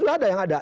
sudah ada yang ada